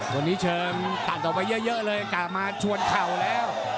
วันนี้เชิงตัดออกไปเยอะเลยกลับมาชวนเข่าแล้ว